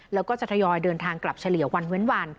แล้วก็จะทยอยเดินทางกลับเฉลี่ยวันเว้นวัน